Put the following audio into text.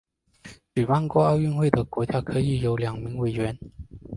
举办过奥运会的国家可以有两名委员。